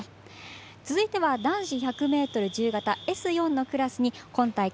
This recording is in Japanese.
続いては男子１００ｍ自由形Ｓ４のクラスに今大会